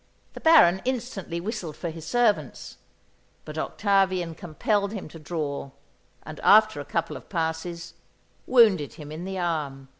The Baron instantly whistled for his servants; but Octavian compelled him to draw, and, after a couple of passes, wounded him in the arm.